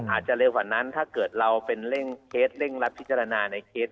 อาจจะเร็วกว่านั้นถ้าเกิดเราเป็นเร่งเคสเร่งรัดพิจารณาในเคส